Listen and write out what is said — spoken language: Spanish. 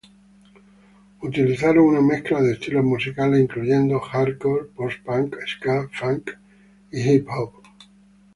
Utilizaron una mezcla de estilos musicales, incluyendo hardcore, post-punk, ska, funk y hip-hop.